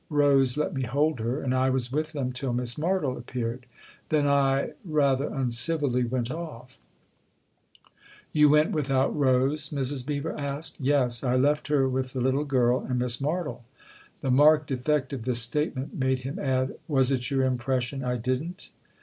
Rose let me hold her, and I was with them till Miss Martle appeared. Then I rather uncivilly went off." 264 THE OTHER MOUSE " You went without Rose ?" Mrs. Beever asked. "Yes I left her with the little girl and Miss Martle." The marked effect of this statement made him add :" Was it your impression I didn't